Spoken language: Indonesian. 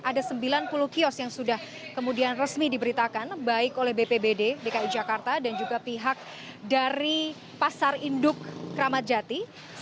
ada sembilan puluh kios yang sudah kemudian resmi diberitakan baik oleh bpbd dki jakarta dan juga pihak dari pasar induk ramadjati